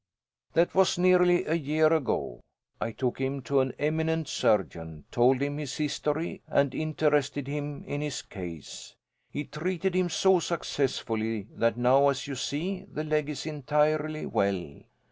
"That was nearly a year ago. I took him to an eminent surgeon, told him his history, and interested him in his case. He treated him so successfully, that now, as you see, the leg is entirely well.